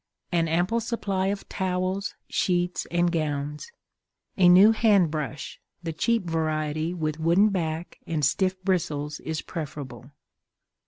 _ An ample supply of Towels, Sheets, and Gowns. A new Hand Brush; the cheap variety with wooden back and stiff bristles is preferable.